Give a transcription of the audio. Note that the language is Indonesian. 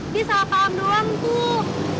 dia salah paham doang tuh